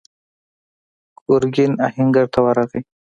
ګرګين آهنګر ته ورغی.